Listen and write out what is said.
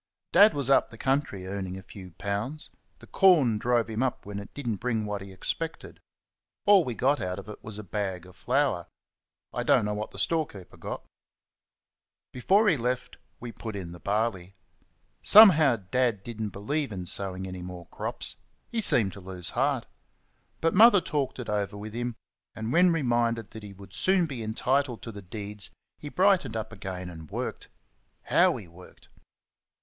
Dad was up the country earning a few pounds the corn drove him up when it did n't bring what he expected. All we got out of it was a bag of flour I do n't know what the storekeeper got. Before he left we put in the barley. Somehow, Dad did n't believe in sowing any more crops, he seemed to lose heart; but Mother talked it over with him, and when reminded that he would soon be entitled to the deeds he brightened up again and worked. How he worked!